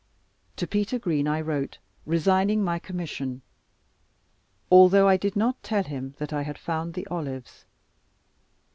To Peter Green I wrote, resigning my commission, although I did not tell him that I had found the olives.